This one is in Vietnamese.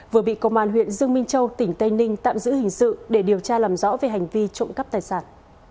vừa bị công an huyện dương minh châu tỉnh tây ninh tạm giữ hình sự để điều tra làm rõ về hành vi trộm cắp tài sản